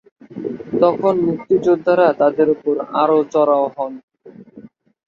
তখন মুক্তিযোদ্ধারা তাদের ওপর আরও চড়াও হন।